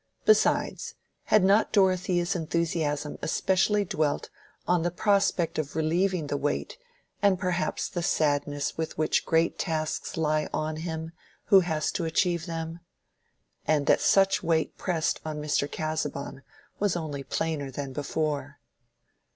Besides, had not Dorothea's enthusiasm especially dwelt on the prospect of relieving the weight and perhaps the sadness with which great tasks lie on him who has to achieve them?— And that such weight pressed on Mr. Casaubon was only plainer than before.